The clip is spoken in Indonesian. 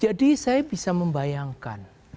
jadi saya bisa membayangkan